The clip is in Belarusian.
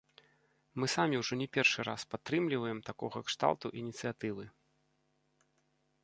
Мы самі ўжо не першы раз падтрымліваем такога кшталту ініцыятывы.